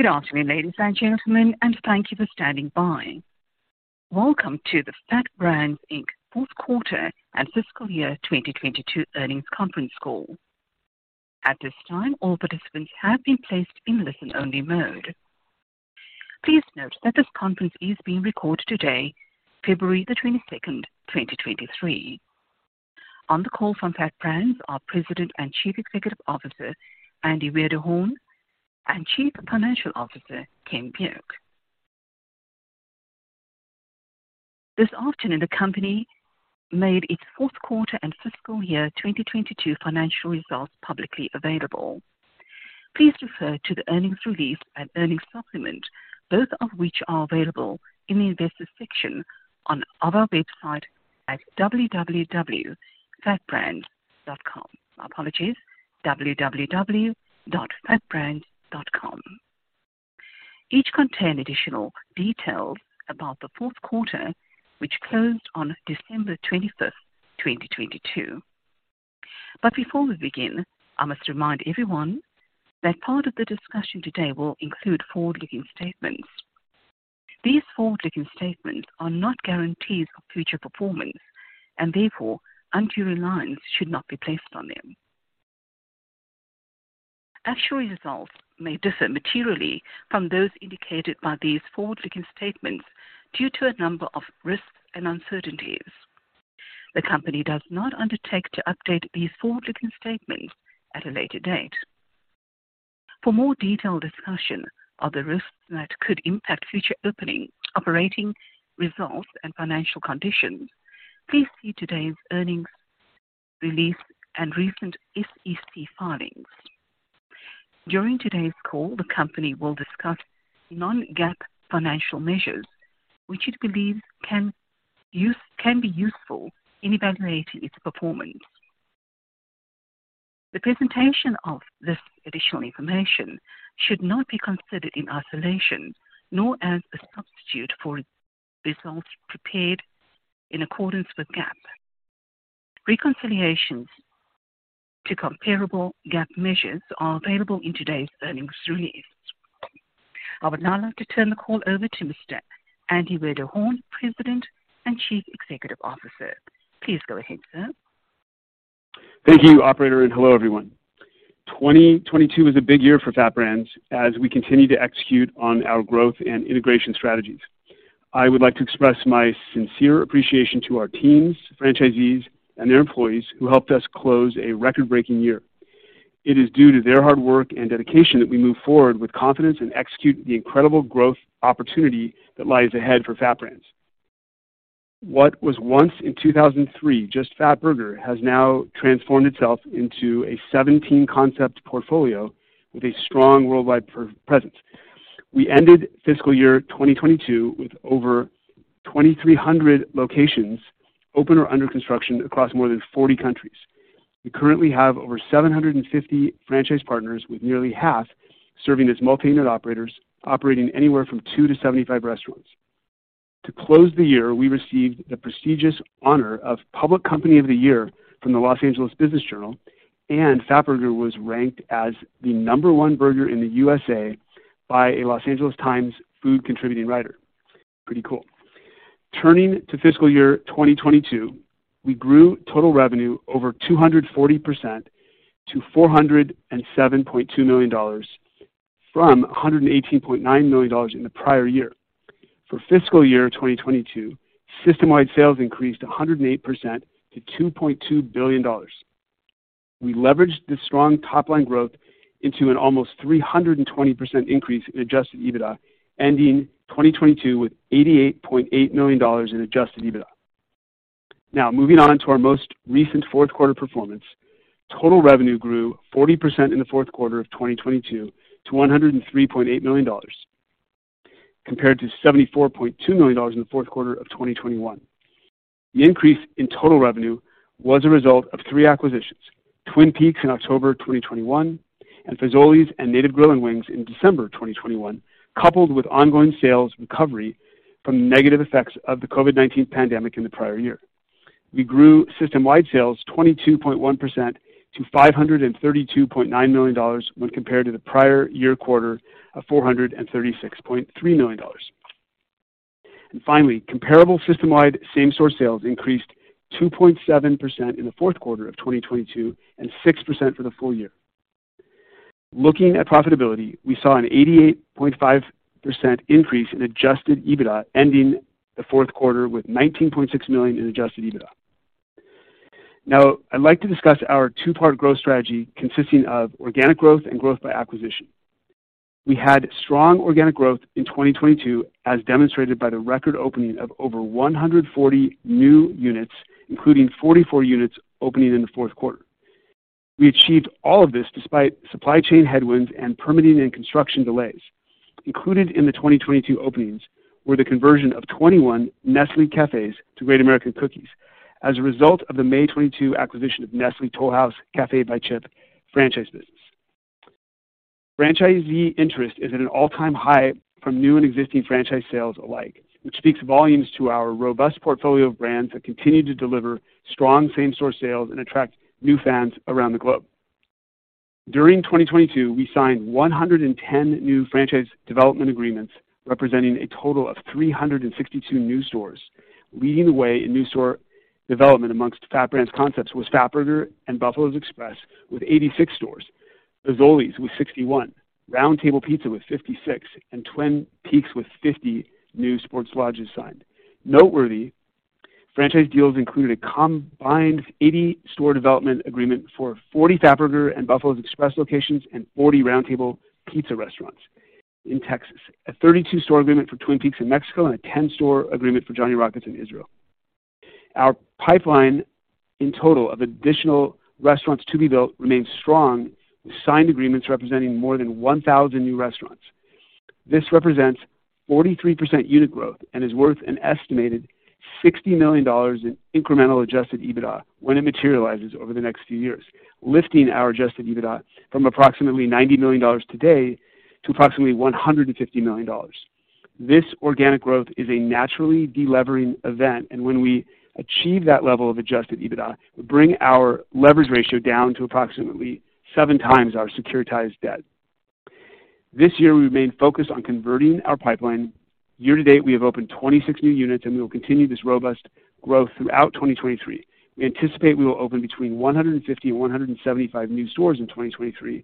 Good afternoon, ladies and gentlemen, and thank you for standing by. Welcome to the FAT Brands Inc. fourth quarter and fiscal year 2022 earnings conference call. At this time, all participants have been placed in listen-only mode. Please note that this conference is being recorded today, February 22nd, 2023. On the call from FAT Brands are President and Chief Executive Officer, Andy Wiederhorn, and Chief Financial Officer, Ken Kuick. This afternoon, the company made its fourth quarter and fiscal year 2022 financial results publicly available. Please refer to the earnings release and earnings supplement, both of which are available in the Investors section on our website at www.fatbrands.com. My apologies, www.fatbrands.com. Each contain additional details about the fourth quarter, which closed on December 25th, 2022. Before we begin, I must remind everyone that part of the discussion today will include forward-looking statements. These forward-looking statements are not guarantees of future performance, therefore undue reliance should not be placed on them. Actual results may differ materially from those indicated by these forward-looking statements due to a number of risks and uncertainties. The company does not undertake to update these forward-looking statements at a later date. For more detailed discussion of the risks that could impact future opening, operating results, and financial conditions, please see today's earnings release and recent SEC filings. During today's call, the company will discuss non-GAAP financial measures which it believes can be useful in evaluating its performance. The presentation of this additional information should not be considered in isolation nor as a substitute for results prepared in accordance with GAAP. Reconciliations to comparable GAAP measures are available in today's earnings release. I would now like to turn the call over to Mr. Andy Wiederhorn, President and Chief Executive Officer. Please go ahead, sir. Thank you, operator, and hello, everyone. 2022 is a big year for FAT Brands as we continue to execute on our growth and integration strategies. I would like to express my sincere appreciation to our teams, franchisees, and their employees who helped us close a record-breaking year. It is due to their hard work and dedication that we move forward with confidence and execute the incredible growth opportunity that lies ahead for FAT Brands. What was once in 2003 just Fatburger has now transformed itself into a 17-concept portfolio with a strong worldwide per-presence. We ended fiscal year 2022 with over 2,300 locations open or under construction across more than 40 countries. We currently have over 750 franchise partners, with nearly half serving as multi-unit operators, operating anywhere from two to 75 restaurants. To close the year, we received the prestigious honor of Public Company of the Year from the Los Angeles Business Journal. Fatburger was ranked as the number one burger in the USA by a Los Angeles Times food contributing writer. Pretty cool. Turning to fiscal year 2022, we grew total revenue over 240% to $407.2 million from $118.9 million in the prior year. For fiscal year 2022, system-wide sales increased 108% to $2.2 billion. We leveraged this strong top-line growth into an almost 320% increase in Adjusted EBITDA, ending 2022 with $88.8 million in Adjusted EBITDA. Moving on to our most recent fourth quarter performance, total revenue grew 40% in the fourth quarter of 2022 to $103.8 million, compared to $74.2 million in the fourth quarter of 2021. The increase in total revenue was a result of three acquisitions, Twin Peaks in October 2021, and Fazoli's and Native Grill & Wings in December 2021, coupled with ongoing sales recovery from negative effects of the COVID-19 pandemic in the prior year. We grew system-wide sales 22.1% to $532.9 million when compared to the prior year quarter of $436.3 million. Finally, comparable system-wide same-store sales increased 2.7% in the fourth quarter of 2022 and 6% for the full year. Looking at profitability, we saw an 88.5% increase in Adjusted EBITDA, ending the fourth quarter with $19.6 million in Adjusted EBITDA. I'd like to discuss our two-part growth strategy consisting of organic growth and growth by acquisition. We had strong organic growth in 2022, as demonstrated by the record opening of over 140 new units, including 44 units opening in the fourth quarter. We achieved all of this despite supply chain headwinds and permitting and construction delays. Included in the 2022 openings were the conversion of 21 Nestlé Cafes to Great American Cookies as a result of the May 2022 acquisition of Nestlé Toll House Café by Chip franchise business. Franchisee interest is at an all-time high from new and existing franchise sales alike, which speaks volumes to our robust portfolio of brands that continue to deliver strong same-store sales and attract new fans around the globe. During 2022, we signed 110 new franchise development agreements, representing a total of 362 new stores. Leading the way in new store development amongst FAT Brands concepts was Fatburger and Buffalo's Express with 86 stores, Fazoli's with 61, Round Table Pizza with 56, and Twin Peaks with 50 new sports lodges signed. Noteworthy franchise deals included a combined 80 store development agreement for 40 Fatburger and Buffalo's Express locations and 40 Round Table Pizza restaurants in Texas, a 32-store agreement for Twin Peaks in Mexico and a 10-store agreement for Johnny Rockets in Israel. Our pipeline in total of additional restaurants to be built remains strong, with signed agreements representing more than 1,000 new restaurants. This represents 43% unit growth and is worth an estimated $60 million in incremental Adjusted EBITDA when it materializes over the next few years, lifting our Adjusted EBITDA from approximately $90 million today to approximately $150 million. This organic growth is a naturally de-levering event, and when we achieve that level of Adjusted EBITDA, it will bring our leverage ratio down to approximately 7x our securitized debt. This year we remain focused on converting our pipeline. Year to date, we have opened 26 new units, and we will continue this robust growth throughout 2023. We anticipate we will open between 150 and 175 new stores in 2023,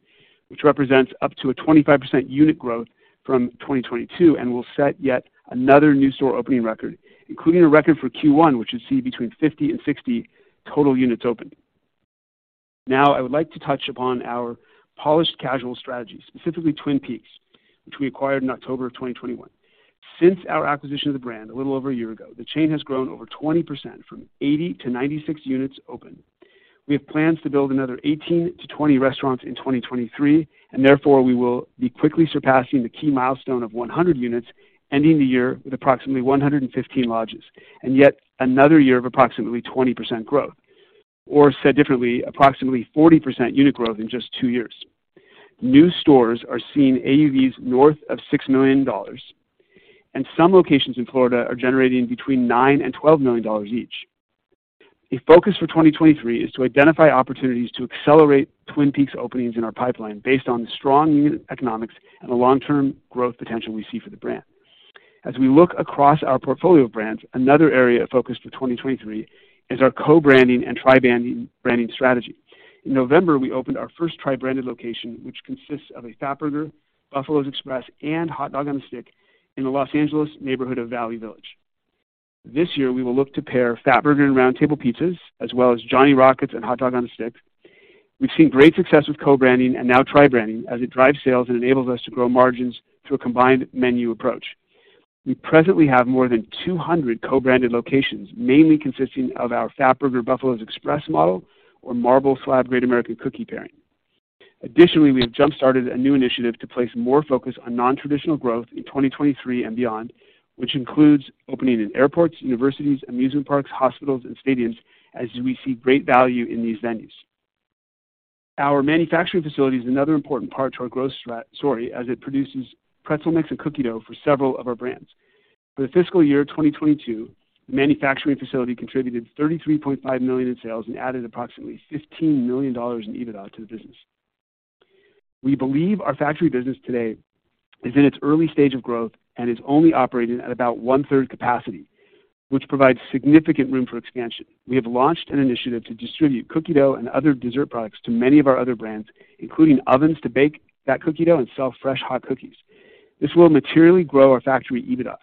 which represents up to a 25% unit growth from 2022 and will set yet another new store opening record, including a record for Q1, which you'll see between 50 and 60 total units opened. I would like to touch upon our polished casual strategy, specifically Twin Peaks, which we acquired in October of 2021. Since our acquisition of the brand a little over a year ago, the chain has grown over 20% from 80 to 96 units opened. Therefore we will be quickly surpassing the key milestone of 100 units, ending the year with approximately 115 lodges and yet another year of approximately 20% growth. Said differently, approximately 40% unit growth in just two years. New stores are seeing AUVs north of $6 million, and some locations in Florida are generating between $9 million and $12 million each. A focus for 2023 is to identify opportunities to accelerate Twin Peaks openings in our pipeline based on the strong unit economics and the long-term growth potential we see for the brand. As we look across our portfolio of brands, another area of focus for 2023 is our co-branding and tri-branding strategy. In November, we opened our first tri-branded location, which consists of a Fatburger, Buffalo's Express and Hot Dog on a Stick in the Los Angeles neighborhood of Valley Village. This year we will look to pair Fatburger and Round Table Pizzas, as well as Johnny Rockets and Hot Dog on a Stick. We've seen great success with co-branding and now tri-branding as it drives sales and enables us to grow margins through a combined menu approach. We presently have more than 200 co-branded locations, mainly consisting of our Fatburger Buffalo's Express model or Marble Slab Great American Cookies pairing. Additionally, we have jumpstarted a new initiative to place more focus on non-traditional growth in 2023 and beyond, which includes opening in airports, universities, amusement parks, hospitals and stadiums as we see great value in these venues. Our manufacturing facility is another important part to our growth story as it produces pretzel mix and cookie dough for several of our brands. For the fiscal year 2022, the manufacturing facility contributed $33.5 million in sales and added approximately $15 million in EBITDA to the business. We believe our factory business today is in its early stage of growth and is only operating at about one-third capacity, which provides significant room for expansion. We have launched an initiative to distribute cookie dough and other dessert products to many of our other brands, including ovens to bake that cookie dough and sell fresh, hot cookies. This will materially grow our factory EBITDA.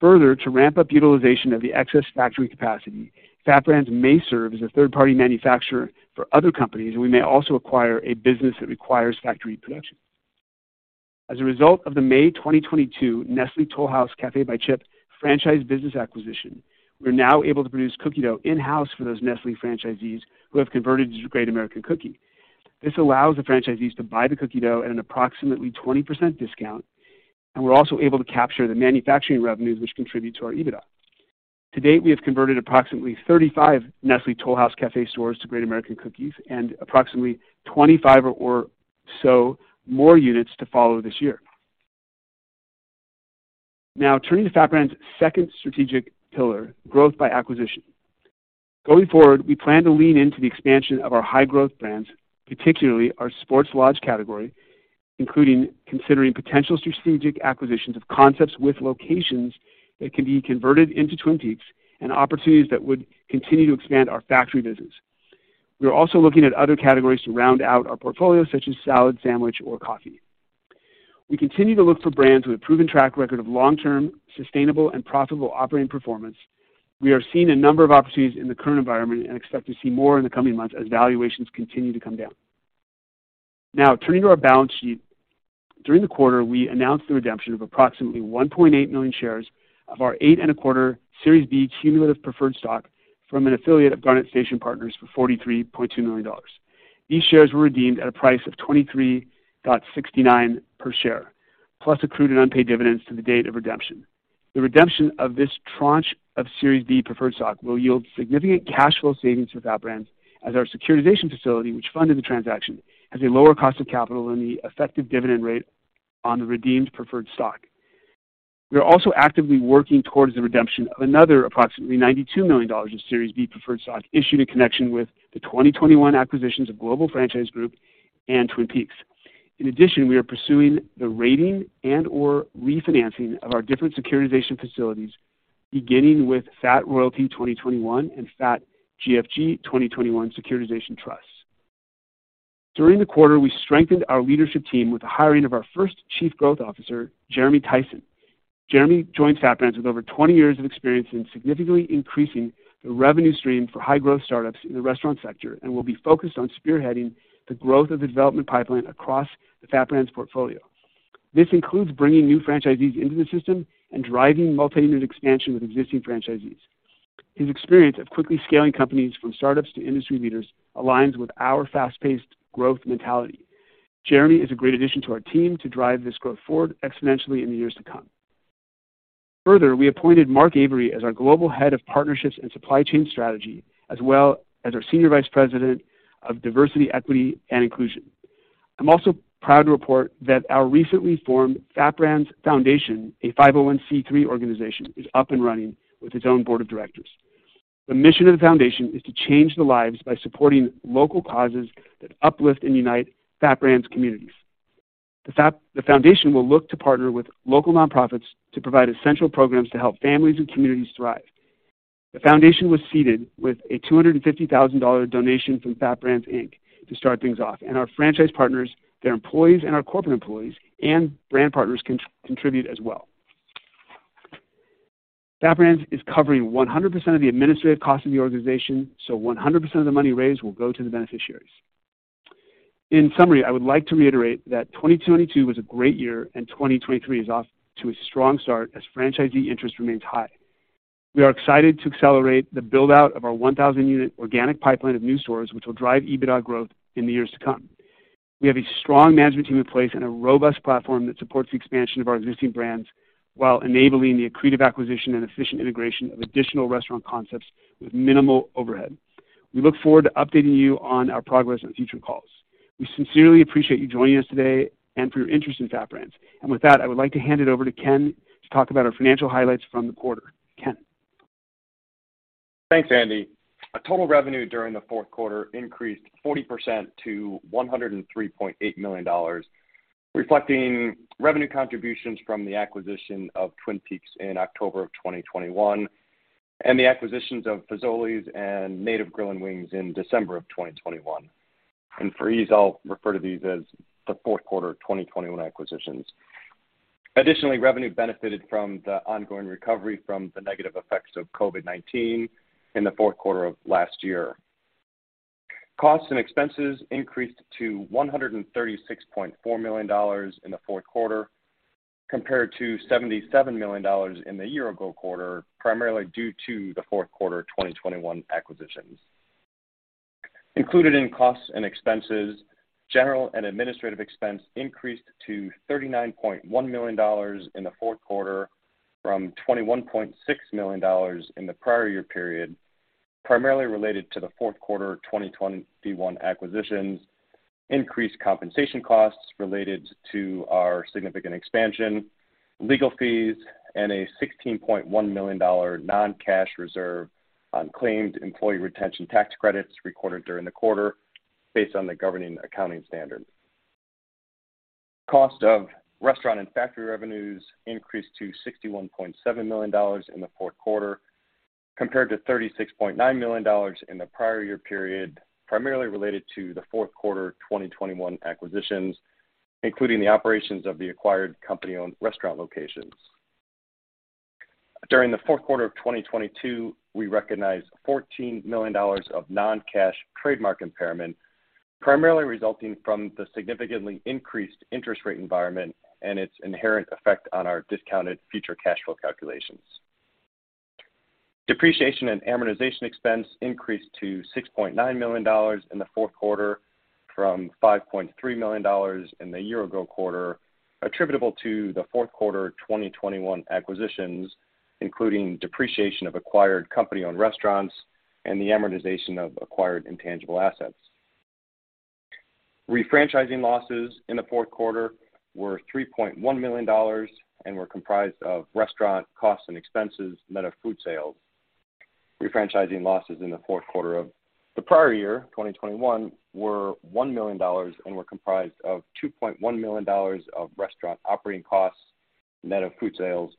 Further, to ramp up utilization of the excess factory capacity, FAT Brands may serve as a third-party manufacturer for other companies, and we may also acquire a business that requires factory production. As a result of the May 2022 Nestlé Toll House Café by Chip franchise business acquisition, we're now able to produce cookie dough in-house for those Nestlé franchisees who have converted to Great American Cookies. This allows the franchisees to buy the cookie dough at an approximately 20% discount, we're also able to capture the manufacturing revenues which contribute to our EBITDA. To date, we have converted approximately 35 Nestlé Toll House Café stores to Great American Cookies and approximately 25 or so more units to follow this year. Turning to FAT Brands' second strategic pillar, growth by acquisition. Going forward, we plan to lean into the expansion of our high-growth brands, particularly our sports lodge category, including considering potential strategic acquisitions of concepts with locations that can be converted into Twin Peaks and opportunities that would continue to expand our factory business. We are also looking at other categories to round out our portfolio, such as salad, sandwich or coffee. We continue to look for brands with a proven track record of long-term, sustainable and profitable operating performance. We are seeing a number of opportunities in the current environment and expect to see more in the coming months as valuations continue to come down. Turning to our balance sheet. During the quarter, we announced the redemption of approximately 1.8 million shares of our 8.25% Series B Cumulative Preferred Stock from an affiliate of Garnet Station Partners for $43.2 million. These shares were redeemed at a price of $23.69 per share, plus accrued and unpaid dividends to the date of redemption. The redemption of this tranche of Series B preferred stock will yield significant cash flow savings for FAT Brands as our securitization facility, which funded the transaction, has a lower cost of capital than the effective dividend rate on the redeemed preferred stock. We are also actively working towards the redemption of another approximately $92 million in Series B preferred stock issued in connection with the 2021 acquisitions of Global Franchise Group and Twin Peaks. In addition, we are pursuing the rating and/or refinancing of our different securitization facilities, beginning with FAT Royalty 2021 and FAT GFG 2021 securitization trusts. During the quarter, we strengthened our leadership team with the hiring of our first Chief Growth Officer, Jeremy Theisen. Jeremy joined FAT Brands with over 20 years of experience in significantly increasing the revenue stream for high-growth startups in the restaurant sector and will be focused on spearheading the growth of the development pipeline across the FAT Brands portfolio. This includes bringing new franchisees into the system and driving multi-unit expansion with existing franchisees. His experience of quickly scaling companies from startups to industry leaders aligns with our fast-paced growth mentality. Jeremy is a great addition to our team to drive this growth forward exponentially in the years to come. We appointed Mark Avery as our Global Head of Partnerships and Supply Chain Strategy, as well as our Senior Vice President of Diversity, Equity and Inclusion. I'm also proud to report that our recently formed FAT Brands Foundation, a 501(c)(3) organization, is up and running with its own board of directors. The mission of the foundation is to change the lives by supporting local causes that uplift and unite FAT Brands communities. The foundation will look to partner with local nonprofits to provide essential programs to help families and communities thrive. The foundation was seeded with a $250,000 donation from FAT Brands Inc. to start things off, and our franchise partners, their employees, and our corporate employees and brand partners contribute as well. FAT Brands is covering 100% of the administrative costs of the organization, so 100% of the money raised will go to the beneficiaries. In summary, I would like to reiterate that 2022 was a great year, and 2023 is off to a strong start as franchisee interest remains high. We are excited to accelerate the build-out of our 1,000 unit organic pipeline of new stores, which will drive EBITDA growth in the years to come. We have a strong management team in place and a robust platform that supports the expansion of our existing brands while enabling the accretive acquisition and efficient integration of additional restaurant concepts with minimal overhead. We look forward to updating you on our progress on future calls. We sincerely appreciate you joining us today and for your interest in FAT Brands. With that, I would like to hand it over to Ken to talk about our financial highlights from the quarter. Ken. Thanks, Andy. Our total revenue during the fourth quarter increased 40% to $103.8 million, reflecting revenue contributions from the acquisition of Twin Peaks in October of 2021 and the acquisitions of Fazoli's and Native Grill & Wings in December of 2021. For ease, I'll refer to these as the fourth quarter of 2021 acquisitions. Additionally, revenue benefited from the ongoing recovery from the negative effects of COVID-19 in the fourth quarter of last year. Costs and expenses increased to $136.4 million in the fourth quarter, compared to $77 million in the year-ago quarter, primarily due to the fourth quarter of 2021 acquisitions. Included in costs and expenses, general and administrative expense increased to $39.1 million in the fourth quarter from $21.6 million in the prior year period, primarily related to the fourth quarter of 2021 acquisitions, increased compensation costs related to our significant expansion, legal fees, and a $16.1 million non-cash reserve on claimed Employee Retention Tax Credit recorded during the quarter based on the governing accounting standard. Cost of restaurant and factory revenues increased to $61.7 million in the fourth quarter, compared to $36.9 million in the prior year period, primarily related to the fourth quarter of 2021 acquisitions, including the operations of the acquired company-owned restaurant locations. During the fourth quarter of 2022, we recognized $14 million of non-cash trademark impairment, primarily resulting from the significantly increased interest rate environment and its inherent effect on our discounted future cash flow calculations. Depreciation and amortization expense increased to $6.9 million in the fourth quarter from $5.3 million in the year-ago quarter, attributable to the fourth quarter of 2021 acquisitions, including depreciation of acquired company-owned restaurants and the amortization of acquired intangible assets. Refranchising losses in the fourth quarter were $3.1 million and were comprised of restaurant costs and expenses net of food sales. Refranchising losses in the fourth quarter of the prior year, 2021, were $1 million and were comprised of $2.1 million of restaurant operating costs, net of food sales,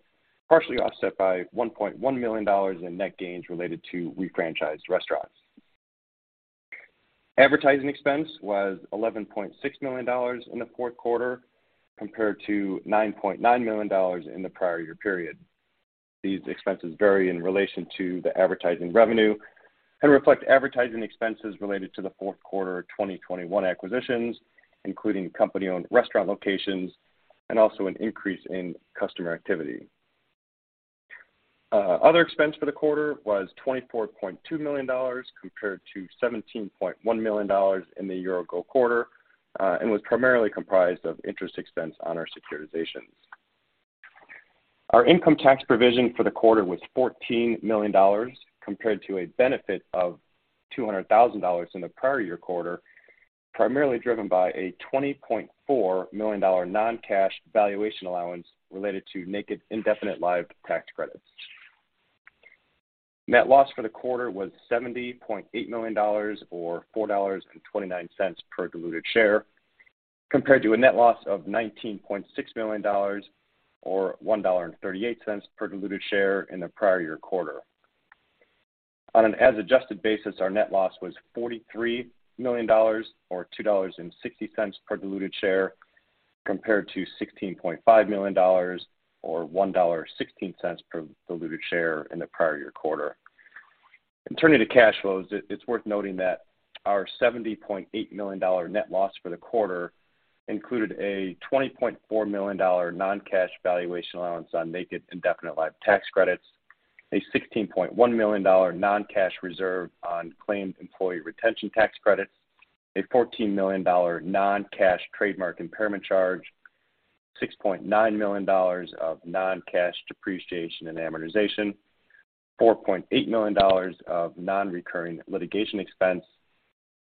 partially offset by $1.1 million in net gains related to refranchised restaurants. Advertising expense was $11.6 million in the fourth quarter, compared to $9.9 million in the prior year period. These expenses vary in relation to the advertising revenue and reflect advertising expenses related to the fourth quarter of 2021 acquisitions, including company-owned restaurant locations and also an increase in customer activity. Other expense for the quarter was $24.2 million, compared to $17.1 million in the year-ago quarter and was primarily comprised of interest expense on our securitizations. Our income tax provision for the quarter was $14 million, compared to a benefit of $200,000 in the prior year quarter. Primarily driven by a $20.4 million non-cash valuation allowance related to indefinite-lived deferred tax assets. Net loss for the quarter was $70.8 million or $4.29 per diluted share, compared to a net loss of $19.6 million or $1.38 per diluted share in the prior year quarter. On an as adjusted basis, our net loss was $43 million or $2.60 per diluted share, compared to $16.5 million or $1.16 per diluted share in the prior year quarter. In turning to cash flows, it's worth noting that our $70.8 million net loss for the quarter included a $20.4 million non-cash valuation allowance on naked indefinite life tax credits, a $16.1 million non-cash reserve on claimed Employee Retention Tax Credits, a $14 million non-cash trademark impairment charge, $6.9 million of non-cash depreciation and amortization, $4.8 million of non-recurring litigation expense,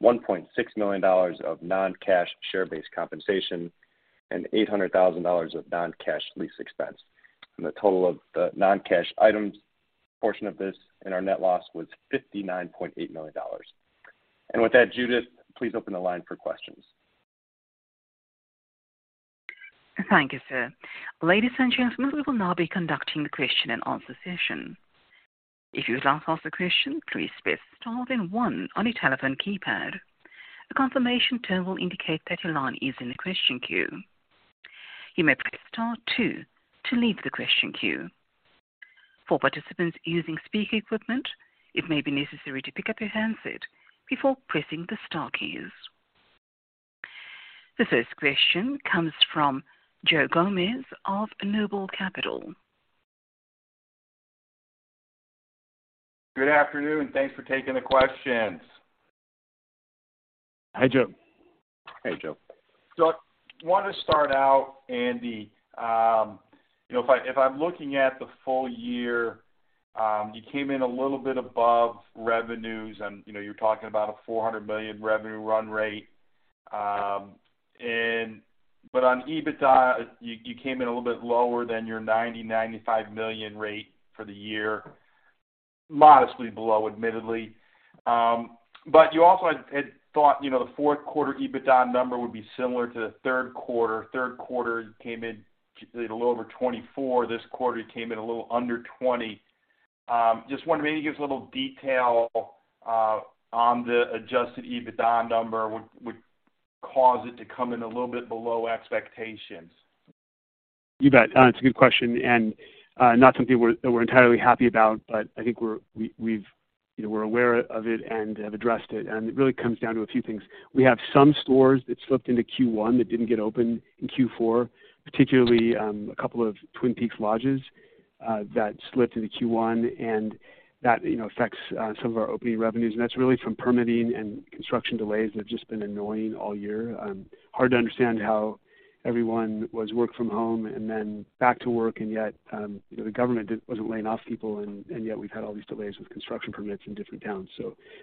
$1.6 million of non-cash share-based compensation, and $800,000 of non-cash lease expense. The total of the non-cash items portion of this in our net loss was $59.8 million. With that, Judith, please open the line for questions. Thank you, sir. Ladies and gentlemen, we will now be conducting the question and answer session. If you would like to ask a question, please press Star then One on your telephone keypad. A confirmation tone will indicate that your line is in the question queue. You may press Star Two to leave the question queue. For participants using speaker equipment, it may be necessary to pick up your handset before pressing the star keys. The first question comes from Joe Gomes of Noble Capital. Good afternoon, and thanks for taking the questions. Hey, Joe. Hey, Joe. I want to start out, Andy. You know, if I, if I'm looking at the full year, you came in a little bit above revenues and, you know, you're talking about a $400 million revenue run rate. On EBITDA, you came in a little bit lower than your $90 million-$95 million rate for the year. Modestly below, admittedly. You also had thought, you know, the fourth quarter EBITDA number would be similar to the third quarter. Third quarter, you came in a little over $24 million. This quarter, you came in a little under $20 million. Just wondering, maybe give us a little detail on the Adjusted EBITDA number. What caused it to come in a little bit below expectations? You bet. It's a good question and not something that we're entirely happy about, but I think we've, you know, we're aware of it and have addressed it really comes down to a few things. We have some stores that slipped into Q1 that didn't get opened in Q4, particularly, two Twin Peaks lodges that slipped into Q1, that, you know, affects some of our opening revenues. That's really from permitting and construction delays that have just been annoying all year. Hard to understand how everyone was work from home and then back to work and yet, you know, the government wasn't laying off people and yet we've had all these delays with construction permits in different towns.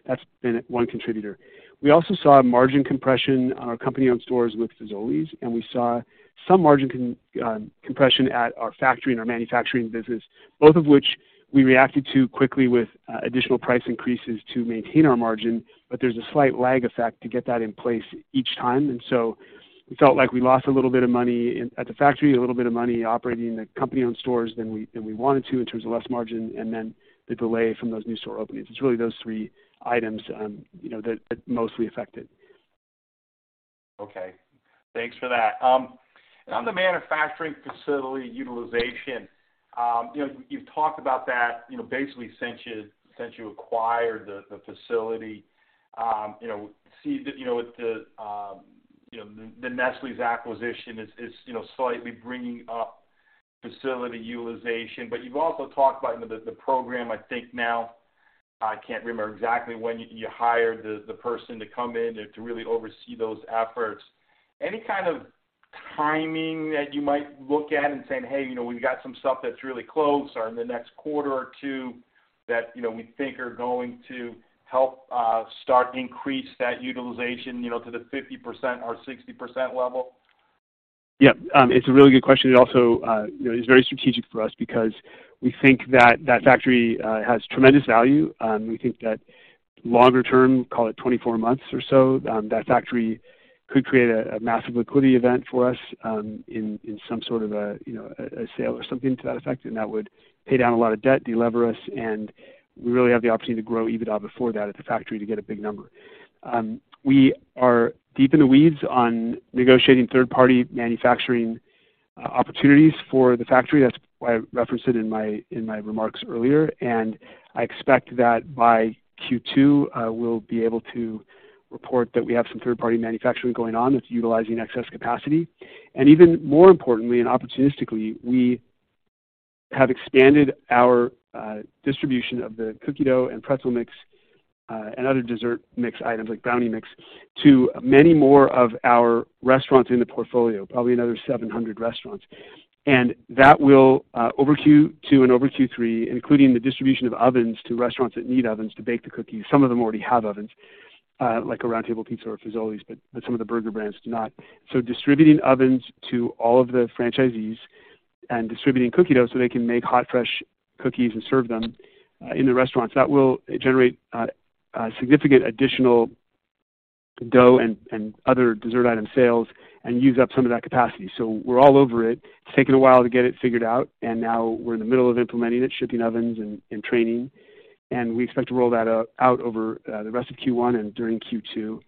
That's been one contributor. We also saw a margin compression on our company-owned stores with Fazoli's, and we saw some margin compression at our factory and our manufacturing business, both of which we reacted to quickly with additional price increases to maintain our margin. There's a slight lag effect to get that in place each time. We felt like we lost a little bit of money at the factory, a little bit of money operating the company on stores than we wanted to in terms of less margin and then the delay from those new store openings. It's really those three items, you know, that mostly affected. Okay. Thanks for that. On the manufacturing facility utilization, you know, you've talked about that, you know, basically since you acquired the facility. You know, see the, you know, with the, you know, the Nestlé's acquisition is, you know, slightly bringing up facility utilization. You've also talked about, you know, the program, I think now, I can't remember exactly when you hired the person to come in to really oversee those efforts. Any kind of timing that you might look at in saying, "Hey, you know, we've got some stuff that's really close or in the next quarter or two that, you know, we think are going to help start increase that utilization, you know, to the 50% or 60% level? Yeah. It's a really good question. It also, you know, is very strategic for us because we think that that factory has tremendous value. We think that longer term, call it 24 months or so, that factory could create a massive liquidity event for us in some sort of a, you know, a sale or something to that effect. That would pay down a lot of debt, de-lever us, and we really have the opportunity to grow EBITDA before that at the factory to get a big number. We are deep in the weeds on negotiating third-party manufacturing opportunities for the factory. That's why I referenced it in my remarks earlier, and I expect that by Q2, we'll be able to report that we have some third-party manufacturing going on that's utilizing excess capacity. Even more importantly and opportunistically, we have expanded our distribution of the cookie dough and pretzel mix and other dessert mix items like brownie mix to many more of our restaurants in the portfolio, probably another 700 restaurants. That will, over Q2 and over Q3, including the distribution of ovens to restaurants that need ovens to bake the cookies. Some of them already have ovens, like a Round Table Pizza or Fazoli's, but some of the burger brands do not. Distributing ovens to all of the franchisees and distributing cookie dough so they can make hot, fresh cookies and serve them in the restaurants, that will generate a significant additional dough and other dessert item sales and use up some of that capacity. We're all over it. It's taken a while to get it figured out, now we're in the middle of implementing it, shipping ovens and training. We expect to roll that out over the rest of Q1 and during Q2,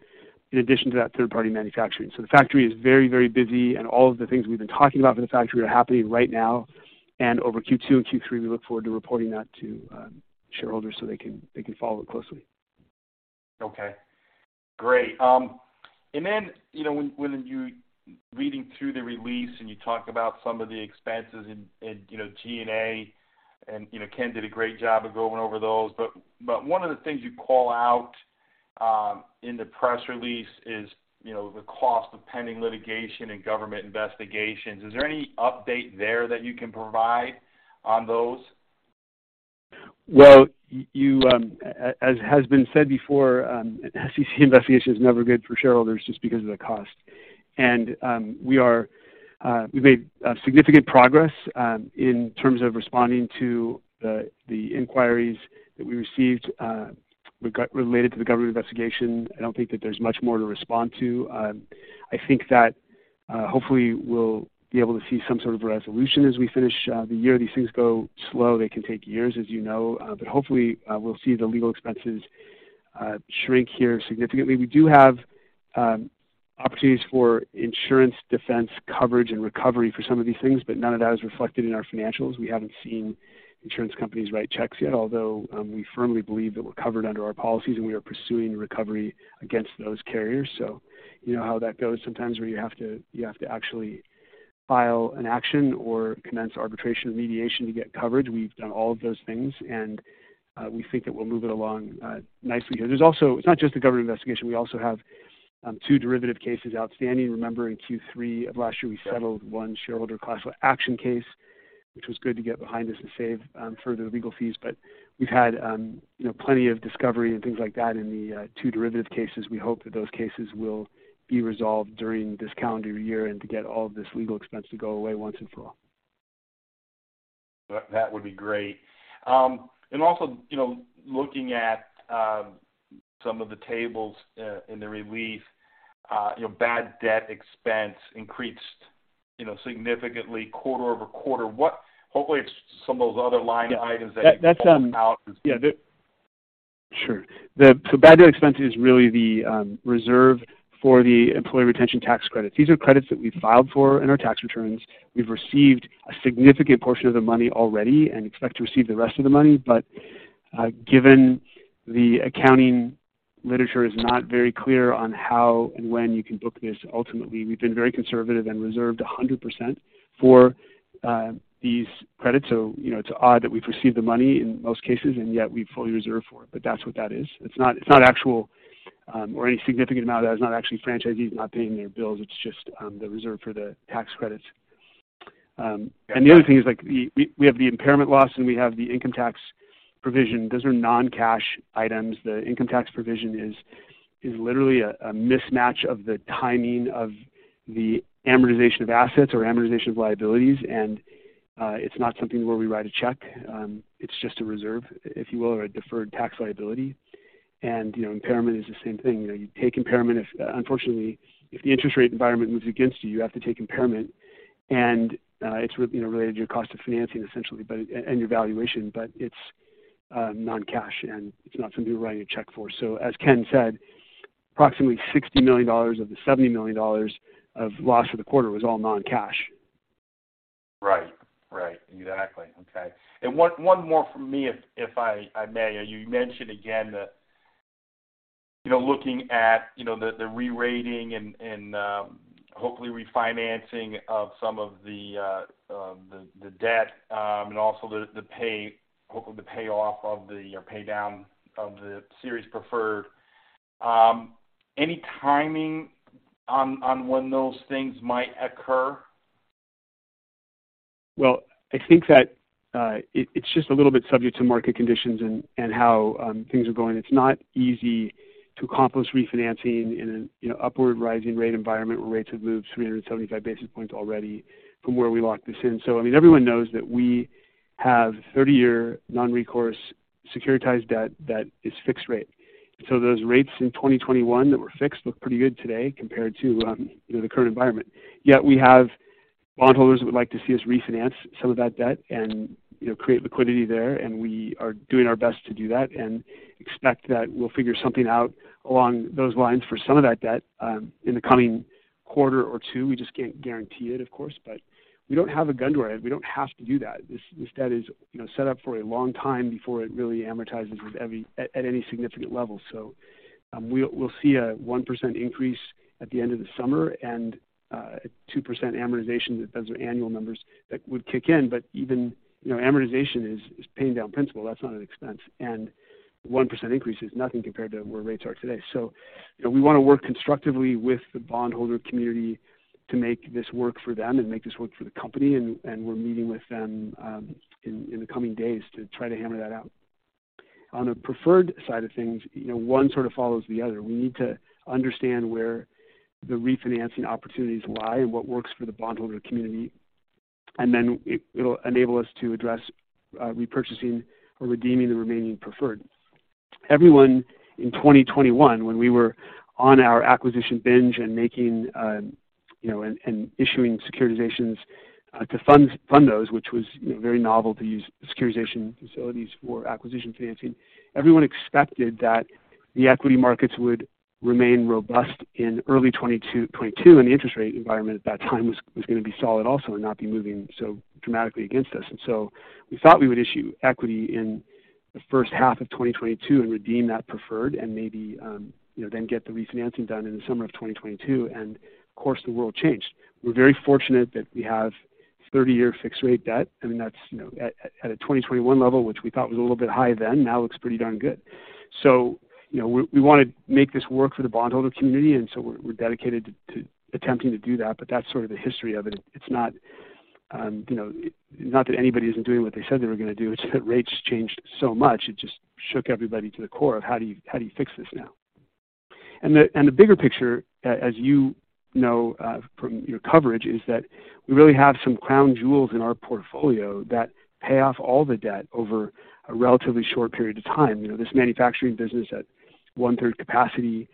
in addition to that third-party manufacturing. The factory is very busy, and all of the things we've been talking about for the factory are happening right now. Over Q2 and Q3, we look forward to reporting that to shareholders, so they can follow it closely. Okay. Great. You know, when reading through the release and you talk about some of the expenses in, you know, G&A, and, you know, Ken did a great job of going over those. One of the things you call out in the press release is, you know, the cost of pending litigation and government investigations. Is there any update there that you can provide on those? As has been said before, an SEC investigation is never good for shareholders just because of the cost. We've made significant progress in terms of responding to the inquiries that we received related to the government investigation. I don't think that there's much more to respond to. I think that hopefully, we'll be able to see some sort of resolution as we finish the year. These things go slow. They can take years, as you know. Hopefully, we'll see the legal expenses shrink here significantly. We do have opportunities for insurance defense coverage and recovery for some of these things, but none of that is reflected in our financials. We haven't seen insurance companies write checks yet, although, we firmly believe that we're covered under our policies, and we are pursuing recovery against those carriers. You know how that goes sometimes where you have to actually file an action or commence arbitration or mediation to get coverage. We've done all of those things, and, we think that we'll move it along nicely here. There's also. It's not just the government investigation. We also have two derivative cases outstanding. Remember, in Q3 of last year, we settled one shareholder class action case, which was good to get behind us and save further legal fees. We've had, you know, plenty of discovery and things like that in the two derivative cases. We hope that those cases will be resolved during this calendar year and to get all of this legal expense to go away once and for all. That would be great. Also, you know, looking at, some of the tables, in the release, you know, bad debt expense increased, you know, significantly quarter-over-quarter. What Hopefully, it's some of those other line items. Yeah. That's. that you called out. Yeah. Sure. Bad debt expense is really the reserve for the Employee Retention Tax Credit. These are credits that we filed for in our tax returns. We've received a significant portion of the money already and expect to receive the rest of the money. Given the accounting literature is not very clear on how and when you can book this, ultimately, we've been very conservative and reserved 100% for these credits. You know, it's odd that we've received the money in most cases, and yet we've fully reserved for it, but that's what that is. It's not, it's not actual, or any significant amount of that is not actually franchisees not paying their bills. It's just the reserve for the tax credits. Yeah. The other thing is like we have the impairment loss, and we have the income tax provision. Those are non-cash items. The income tax provision is literally a mismatch of the timing of the amortization of assets or amortization of liabilities. It's not something where we write a check. It's just a reserve, if you will, or a deferred tax liability. You know, impairment is the same thing. You know, you take impairment. Unfortu nately, if the interest rate environment moves against you have to take impairment. It's you know, related to your cost of financing, essentially, and your valuation, but it's non-cash, and it's not something we're writing a check for. As Ken said, approximately $60 million of the $70 million of loss for the quarter was all non-cash. Right. Right. Exactly. Okay. One more from me if I may. You mentioned again the... You know, looking at, you know, the re-rating and hopefully refinancing of some of the debt, and also hopefully, the payoff of the, or pay down of the series preferred. Any timing on when those things might occur? Well, I think that it's just a little bit subject to market conditions and how things are going. It's not easy to accomplish refinancing in an, you know, upward rising rate environment where rates have moved 375 basis points already from where we locked this in. I mean, everyone knows that we have 30-year non-recourse securitized debt that is fixed rate. Those rates in 2021 that were fixed look pretty good today compared to, you know, the current environment. We have bondholders that would like to see us refinance some of that debt and, you know, create liquidity there, and we are doing our best to do that and expect that we'll figure something out along those lines for some of that debt in the coming quarter or two. We just can't guarantee it, of course. We don't have a gun to our head. We don't have to do that. This debt is, you know, set up for a long time before it really amortizes at any significant level. We'll see a 1% increase at the end of the summer and a 2% amortization. Those are annual numbers that would kick in. Even, you know, amortization is paying down principal. That's not an expense. 1% increase is nothing compared to where rates are today. We wanna work constructively with the bondholder community to make this work for them and make this work for the company, and we're meeting with them in the coming days to try to hammer that out. On a preferred side of things, you know, one sort of follows the other. We need to understand where the refinancing opportunities lie and what works for the bond holder community, and then it'll enable us to address repurchasing or redeeming the remaining preferred. Everyone in 2021, when we were on our acquisition binge and making, you know, and issuing securitizations to fund those, which was, you know, very novel to use securitization facilities for acquisition financing. Everyone expected that the equity markets would remain robust in early 2022, and the interest rate environment at that time was gonna be solid also and not be moving so dramatically against us. We thought we would issue equity in the first half of 2022 and redeem that preferred and maybe, you know, then get the refinancing done in the summer of 2022. Of course, the world changed. We're very fortunate that we have 30-year fixed rate debt, and that's, you know, at a 2021 level, which we thought was a little bit high then, now looks pretty darn good. You know, we wanna make this work for the bond holder community, we're dedicated to attempting to do that. That's sort of the history of it. It's not, you know, not that anybody isn't doing what they said they were gonna do, it's that rates changed so much, it just shook everybody to the core of how do you fix this now? The bigger picture as you know, from your coverage, is that we really have some crown jewels in our portfolio that pay off all the debt over a relatively short period of time. You know, this manufacturing business at 1/3 capacity,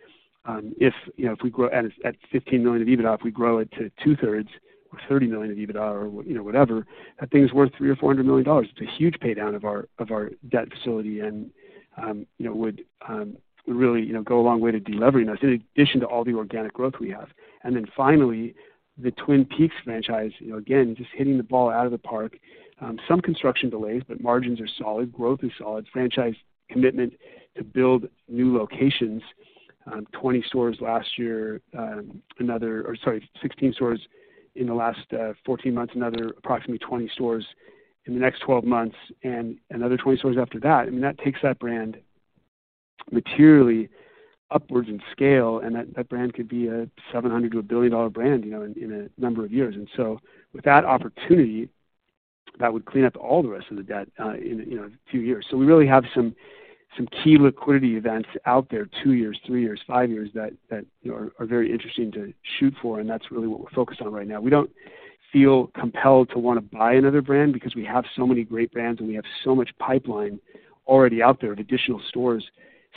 if, you know, if we grow it at $15 million of EBITDA, if we grow it to 2/3 or $30 million of EBITDA or, you know, whatever, that thing's worth $300 million-$400 million. It's a huge pay down of our debt facility and, you know, would really, you know, go a long way to de-leveraging us in addition to all the organic growth we have. Finally, the Twin Peaks franchise, you know, again, just hitting the ball out of the park. Some construction delays, but margins are solid, growth is solid. Franchise commitment to build new locations, 20 stores last year. 16 stores in the last 14 months, another approximately 20 stores in the next 12 months, and another 20 stores after that. I mean, that takes that brand materially upwards in scale, that brand could be a $700 million to a billion-dollar brand, you know, in a number of years. With that opportunity, that would clean up all the rest of the debt, in, you know, a few years. We really have some key liquidity events out there, two years, three years, five years, that, you know, are very interesting to shoot for. That's really what we're focused on right now. We don't feel compelled to wanna buy another brand because we have so many great brands and we have so much pipeline already out there of additional stores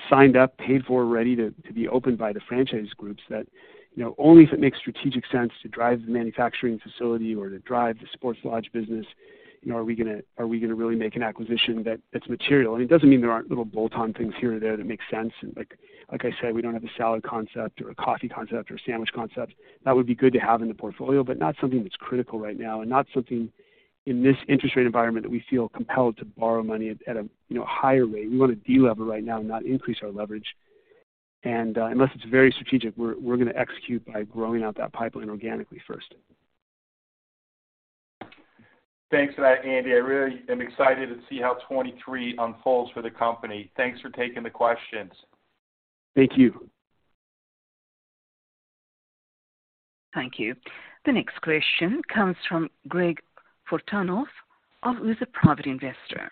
signed up, paid for, ready to be opened by the franchise groups that, you know, only if it makes strategic sense to drive the manufacturing facility or to drive the sports lodge business, you know, are we gonna really make an acquisition that's material? It doesn't mean there aren't little bolt-on things here or there that make sense. Like I said, we don't have a salad concept or a coffee concept or a sandwich concept. That would be good to have in the portfolio, but not something that's critical right now and not something in this interest rate environment that we feel compelled to borrow money at a higher rate. We want to de-lever right now, not increase our leverage. Unless it's very strategic, we're gonna execute by growing out that pipeline organically first. Thanks for that, Andy. I really am excited to see how 2023 unfolds for the company. Thanks for taking the questions. Thank you. Thank you. The next question comes from Greg Fortanos who is a private investor.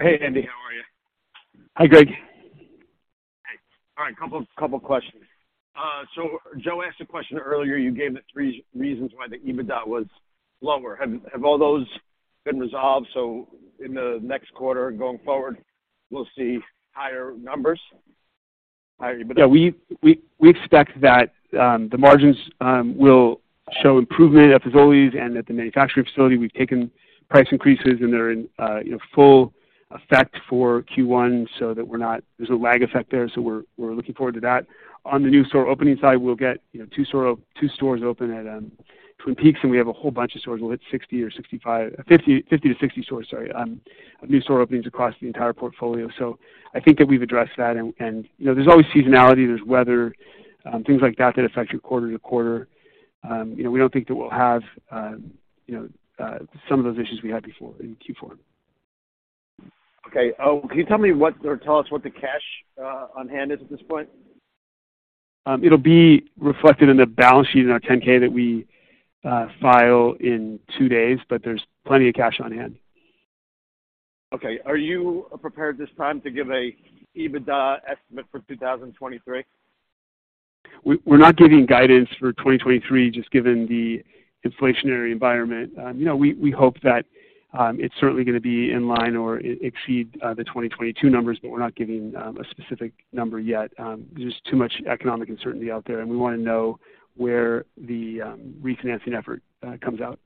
Hey, Andy. How are you? Hey, Greg. Hey. All right, couple questions. Joe asked a question earlier. You gave the three reasons why the EBITDA was lower. Have all those been resolved, so in the next quarter going forward, we'll see higher numbers, higher EBITDA? Yeah. We expect that the margins will show improvement at Fazoli's and at the manufacturing facility. We've taken price increases and they're in, you know, full effect for Q1. There's a lag effect there, so we're looking forward to that. On the new store opening side, we'll get, you know, two stores open at Twin Peaks, and we have a whole bunch of stores. We'll hit 60 or 65, 50 to 60 stores, sorry, new store openings across the entire portfolio. I think that we've addressed that and, you know, there's always seasonality, there's weather, things like that that affect your quarter-to-quarter. You know, we don't think that we'll have, you know, some of those issues we had before in Q4. Okay. Can you tell me what or tell us what the cash on hand is at this point? It'll be reflected in the balance sheet in our Form 10-K that we file in two days, but there's plenty of cash on hand. Okay. Are you prepared this time to give a EBITDA estimate for 2023? We're not giving guidance for 2023 just given the inflationary environment. You know, we hope that it's certainly gonna be in line or exceed the 2022 numbers, but we're not giving a specific number yet. There's just too much economic uncertainty out there, and we wanna know where the refinancing effort comes out.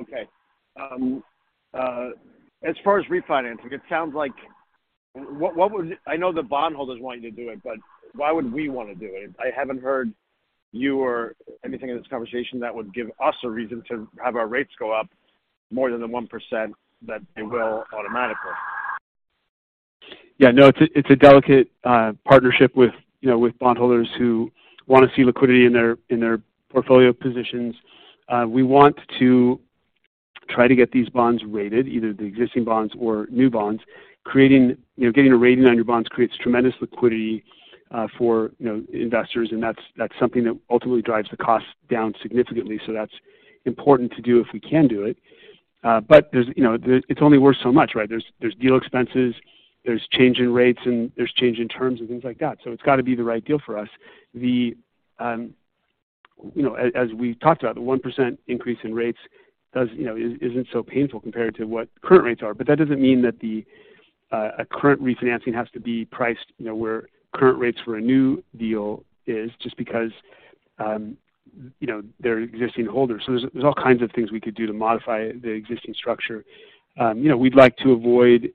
Okay. I know the bond holders want you to do it, but why would we wanna do it? I haven't heard you or anything in this conversation that would give us a reason to have our rates go up more than the 1% that they will automatically. Yeah, no, it's a, it's a delicate partnership with, you know, with bondholders who wanna see liquidity in their, in their portfolio positions. We want to try to get these bonds rated, either the existing bonds or new bonds. You know, getting a rating on your bonds creates tremendous liquidity for, you know, investors, and that's something that ultimately drives the cost down significantly. That's important to do if we can do it. There's, you know, it's only worth so much, right? There's, there's deal expenses, there's change in rates, and there's change in terms and things like that. It's got to be the right deal for us. The, you know, as we talked about, the 1% increase in rates does, you know, isn't so painful compared to what current rates are. That doesn't mean that the a current refinancing has to be priced, you know, where current rates for a new deal is just because, you know, they're existing holders. There's all kinds of things we could do to modify the existing structure. You know, we'd like to avoid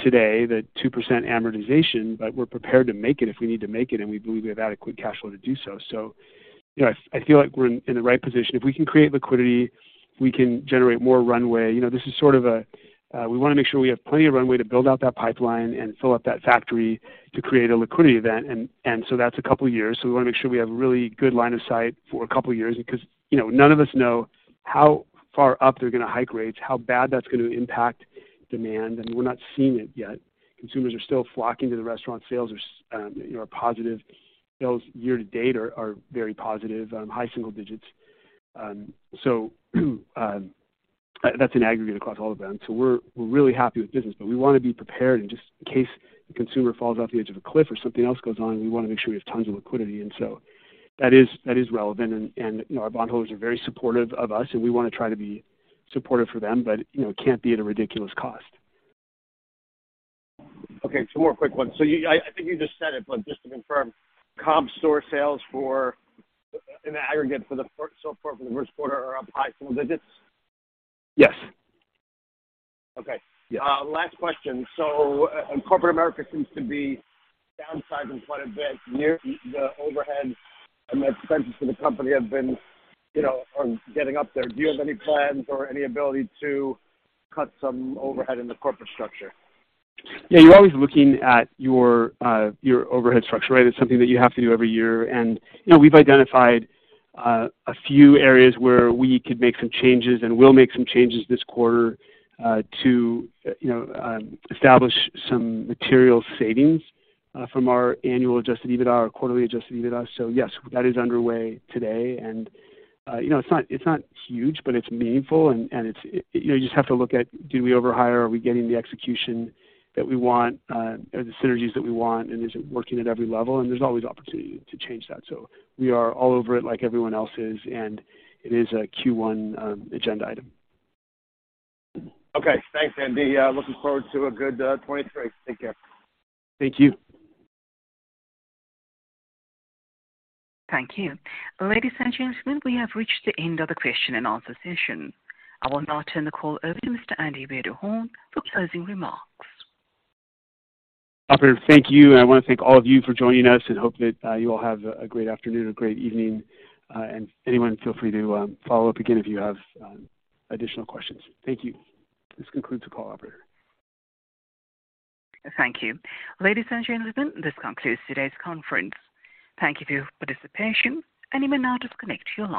today the 2% amortization, but we're prepared to make it if we need to make it, and we believe we have adequate cash flow to do so. You know, I feel like we're in the right position. If we can create liquidity, we can generate more runway. You know, this is sort of a, we wanna make sure we have plenty of runway to build out that pipeline and fill up that factory to create a liquidity event. That's a couple years. We wanna make sure we have a really good line of sight for a couple of years because, you know, none of us know how far up they're gonna hike rates, how bad that's gonna impact demand, and we're not seeing it yet. Consumers are still flocking to the restaurant. Sales are, you know, positive. Sales year to date are very positive, high single digits. That's an aggregate across all of them. We're really happy with business, but we wanna be prepared just in case the consumer falls off the edge of a cliff or something else goes on, we wanna make sure we have tons of liquidity. That is relevant. You know, our bondholders are very supportive of us, and we wanna try to be supportive for them, but, you know, it can't be at a ridiculous cost. Okay, two more quick ones. I think you just said it, just to confirm, comp store sales for an aggregate so far for the first quarter are up high single digits? Yes. Okay. Yeah. Last question. Corporate America seems to be downsizing quite a bit near the overhead, and the expenses for the company have been, you know, are getting up there. Do you have any plans or any ability to cut some overhead in the corporate structure? Yeah, you're always looking at your overhead structure, right? It's something that you have to do every year. You know, we've identified a few areas where we could make some changes, and we'll make some changes this quarter, you know, establish some material savings from our annual Adjusted EBITDA or quarterly Adjusted EBITDA. Yes, that is underway today. You know, it's not, it's not huge, but it's meaningful and it's. You know, you just have to look at do we over-hire, are we getting the execution that we want or the synergies that we want, and is it working at every level? There's always opportunity to change that. We are all over it like everyone else is, and it is a Q1 agenda item. Okay. Thanks, Andy. looking forward to a good, 2023. Take care. Thank you. Thank you. Ladies and gentlemen, we have reached the end of the question and answer session. I will now turn the call over to Mr. Andy Wiederhorn for closing remarks. Operator, thank you. I wanna thank all of you for joining us and hope that you all have a great afternoon, a great evening. Anyone feel free to follow up again if you have additional questions. Thank you. This concludes the call, operator. Thank you. Ladies and gentlemen, this concludes today's conference. Thank you for your participation. You may now disconnect your line.